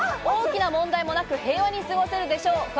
大きな問題もなく平和に過ごせるでしょう。